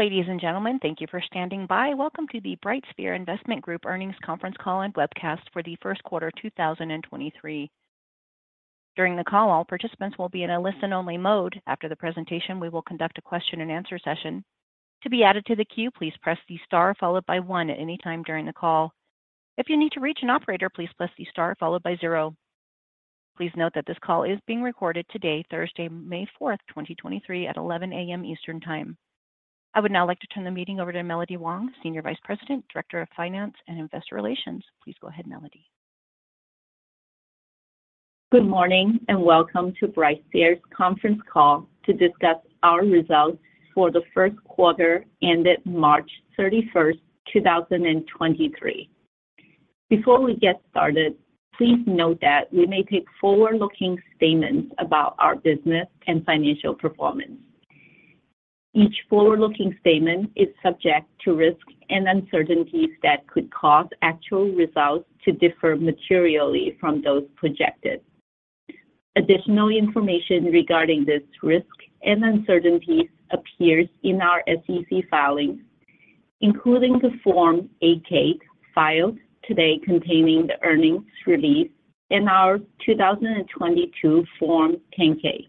Ladies and gentlemen, thank you for standing by. Welcome to the BrightSphere Investment Group earnings conference call and webcast for the first quarter 2023. During the call, all participants will be in a listen-only mode. After the presentation, we will conduct a question-and-answer session. To be added to the queue, please press star followed by one at any time during the call. If you need to reach an operator, please press star followed by zero. Please note that this call is being recorded today, Thursday, May fourth, 2023 at 11:00 A.M. Eastern Time. I would now like to turn the meeting over to Melody Huang, Senior Vice President, Director of Finance and Investor Relations. Please go ahead, Melody. Good morning, welcome to BrightSphere's conference call to discuss our results for the first quarter ended March 31, 2023. Before we get started, please note that we may take forward-looking statements about our business and financial performance. Each forward-looking statement is subject to risks and uncertainties that could cause actual results to differ materially from those projected. Additional information regarding this risk and uncertainties appears in our SEC filings, including the Form 8-K filed today containing the earnings release in our 2022 Form 10-K.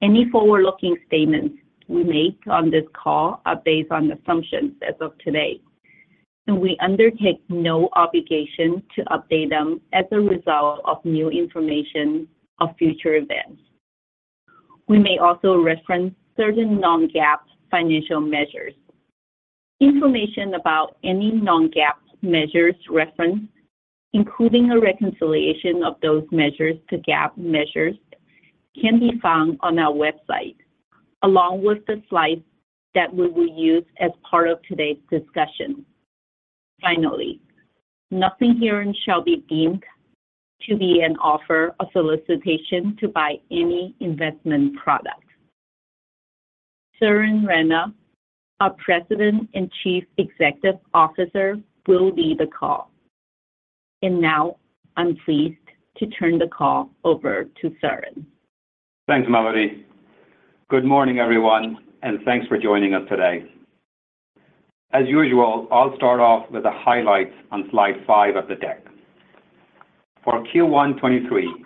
Any forward-looking statements we make on this call are based on assumptions as of today, and we undertake no obligation to update them as a result of new information or future events. We may also reference certain non-GAAP financial measures. Information about any non-GAAP measures referenced, including a reconciliation of those measures to GAAP measures, can be found on our website, along with the slides that we will use as part of today's discussion. Finally, nothing herein shall be deemed to be an offer or solicitation to buy any investment product. Suren Rana, our President and Chief Executive Officer, will lead the call. Now I'm pleased to turn the call over to Suren. Thanks, Melody. Good morning, everyone, thanks for joining us today. As usual, I'll start off with the highlights on slide five of the deck. For Q1 2023,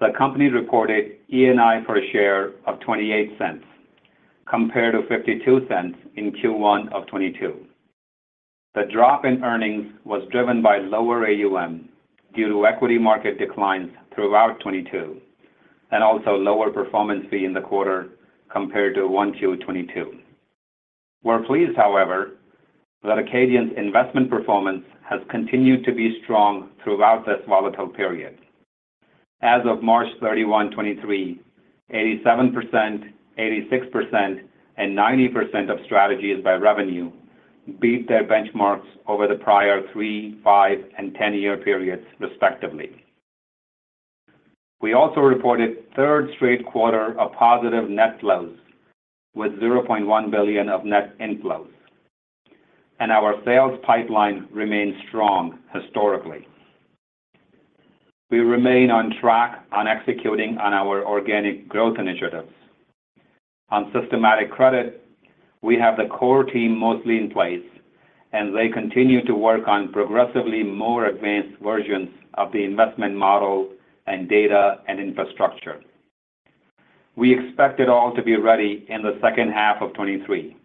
the company reported ENI per share of $0.28 compared to $0.52 in Q1 2022. The drop in earnings was driven by lower AUM due to equity market declines throughout 2022 and also lower performance fee in the quarter compared to Q1 2022. We're pleased, however, that Acadian's investment performance has continued to be strong throughout this volatile period. As of March 31, 2023, 87%, 86%, and 90% of strategies by revenue beat their benchmarks over the prior three, five, and 10-year periods, respectively. We also reported third straight quarter of positive net flows with $0.1 billion of net inflows, our sales pipeline remains strong historically. We remain on track on executing on our organic growth initiatives. On systematic credit, we have the core team mostly in place, and they continue to work on progressively more advanced versions of the investment model and data and infrastructure. We expect it all to be ready in the second half of 2023,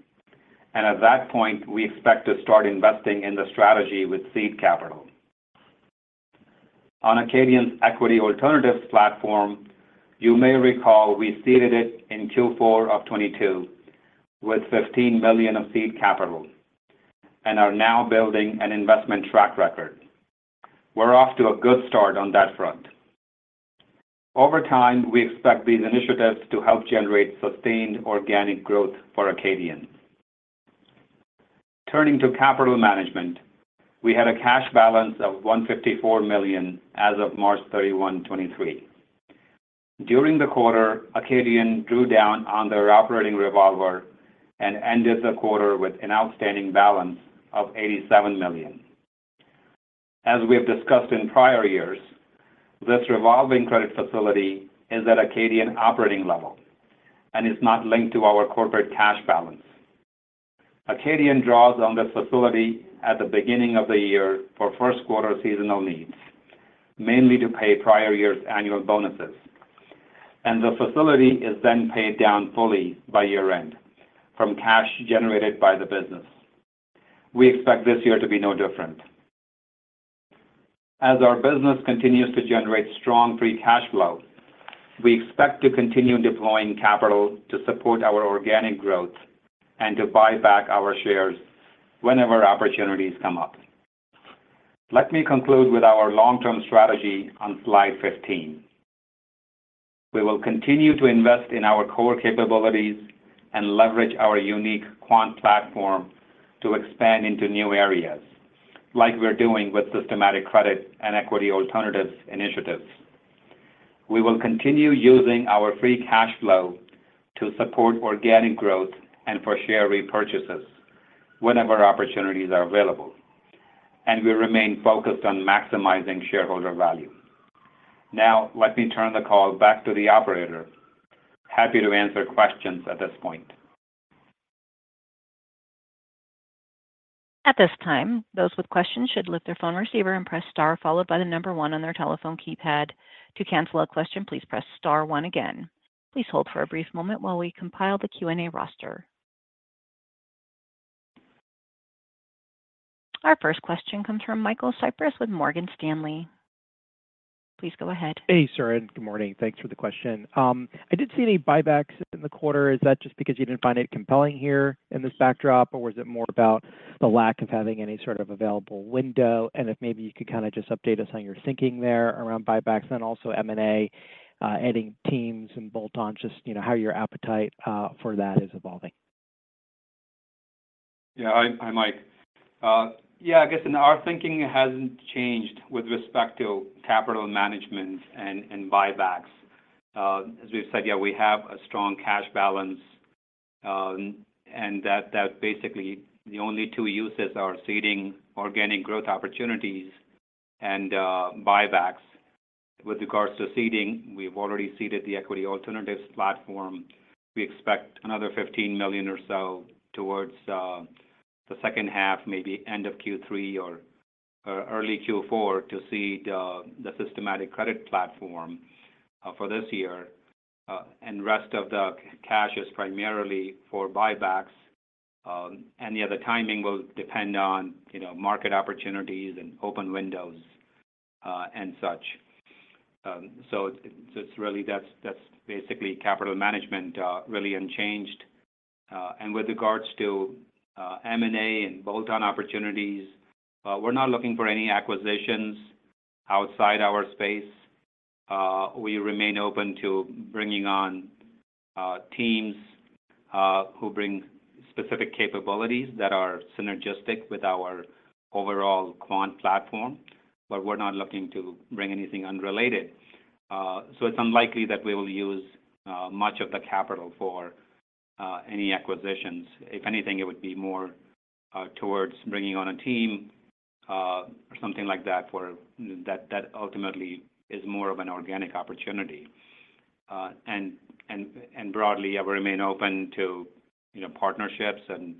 and at that point, we expect to start investing in the strategy with seed capital. On Acadian's equity alternatives platform, you may recall we seeded it in Q4 of 2022 with $15 million of seed capital and are now building an investment track record. We're off to a good start on that front. Over time, we expect these initiatives to help generate sustained organic growth for Acadian. Turning to capital management, we had a cash balance of $154 million as of March 31, 2023. During the quarter, Acadian drew down on their operating revolver and ended the quarter with an outstanding balance of $87 million. As we have discussed in prior years, this revolving credit facility is at Acadian operating level and is not linked to our corporate cash balance. Acadian draws on this facility at the beginning of the year for first quarter seasonal needs, mainly to pay prior year's annual bonuses, and the facility is then paid down fully by year-end from cash generated by the business. We expect this year to be no different. As our business continues to generate strong free cash flow, we expect to continue deploying capital to support our organic growth and to buy back our shares whenever opportunities come up. Let me conclude with our long-term strategy on slide 15. We will continue to invest in our core capabilities and leverage our unique quant platform to expand into new areas like we're doing with systematic credit and equity alternatives initiatives. We will continue using our free cash flow to support organic growth and for share repurchases whenever opportunities are available, and we remain focused on maximizing shareholder value. Now let me turn the call back to the operator. Happy to answer questions at this point. At this time, those with questions should lift their phone receiver and press star followed by the number one on their telephone keypad. To cancel a question, please press star one again. Please hold for a brief moment while we compile the Q&A roster. Our first question comes from Michael Cyprys with Morgan Stanley. Please go ahead. Hey, Suren. Good morning. Thanks for the question. I did see any buybacks in the quarter. Is that just because you didn't find it compelling here in this backdrop, or was it more about the lack of having any sort of available window? If maybe you could kind of just update us on your thinking there around buybacks then also M&A, adding teams and bolt-ons, just, you know, how your appetite for that is evolving? Yeah, hi, Mike. Yeah, I guess our thinking hasn't changed with respect to capital management and buybacks. As we've said, yeah, we have a strong cash balance, and that basically the only two uses are seeding organic growth opportunities and buybacks. With regards to seeding, we've already seeded the equity alternatives platform. We expect another $15 million or so towards the second half, maybe end of Q3 or early Q4 to seed the systematic credit platform for this year. Rest of the cash is primarily for buybacks. Yeah, the timing will depend on, you know, market opportunities and open windows, and such. So it's really that's basically capital management, really unchanged. With regards to M&A and bolt-on opportunities, we're not looking for any acquisitions outside our space. We remain open to bringing on teams who bring specific capabilities that are synergistic with our overall quant platform. We're not looking to bring anything unrelated. It's unlikely that we will use much of the capital for any acquisitions. If anything, it would be more towards bringing on a team or something like that for that ultimately is more of an organic opportunity. Broadly, yeah, we remain open to, you know, partnerships and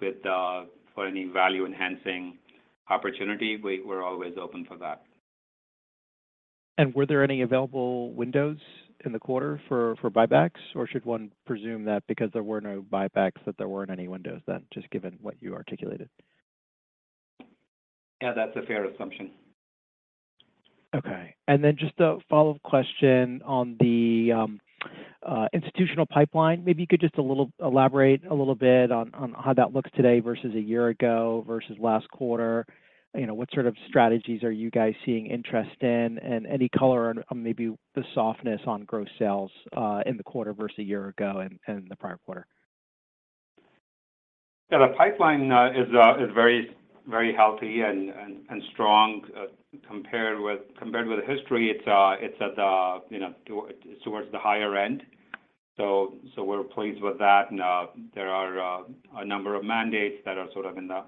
with for any value-enhancing opportunity. We're always open for that. Were there any available windows in the quarter for buybacks? Should one presume that because there were no buybacks, that there weren't any windows then, just given what you articulated? Yeah, that's a fair assumption. Okay. Just a follow-up question on the institutional pipeline. Maybe you could just elaborate a little bit on how that looks today versus a year ago versus last quarter. You know, what sort of strategies are you guys seeing interest in? Any color on maybe the softness on gross sales in the quarter versus a year ago and the prior quarter. Yeah, the pipeline is very healthy and strong. Compared with history, it's at the, you know, towards the higher end. We're pleased with that. There are a number of mandates that are sort of in the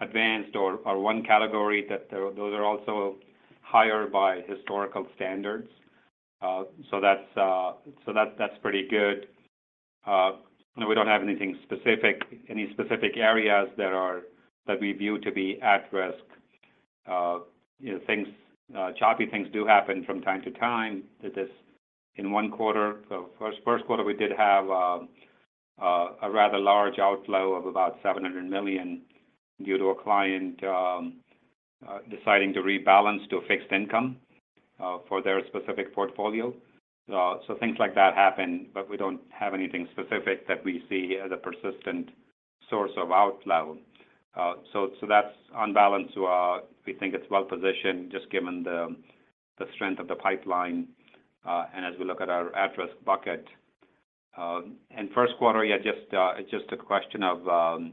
advanced or one category that those are also higher by historical standards. That's pretty good. We don't have anything specific, any specific areas that we view to be at risk. You know, things, choppy things do happen from time to time that is in one quarter. First quarter, we did have a rather large outflow of about $700 million due to a client deciding to rebalance to fixed income for their specific portfolio. Things like that happen, but we don't have anything specific that we see as a persistent source of outflow. So that's on balance. We think it's well-positioned just given the strength of the pipeline, and as we look at our at-risk bucket. First quarter, yeah, just a question of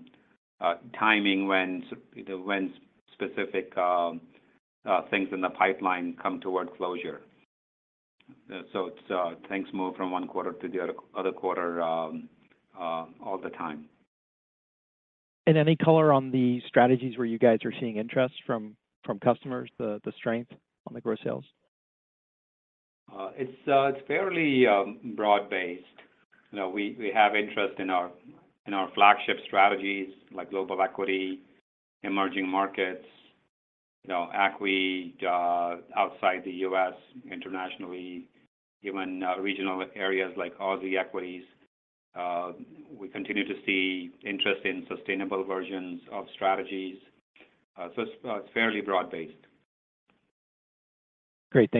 timing when specific things in the pipeline come towards closure. It's things move from one quarter to the other quarter, all the time. Any color on the strategies where you guys are seeing interest from customers, the strength on the gross sales? It's fairly broad-based. You know, we have interest in our, in our flagship strategies like global equity, emerging markets, you know, outside the U.S., internationally, even regional areas like Australian equities. We continue to see interest in sustainable versions of strategies. It's fairly broad-based. Great.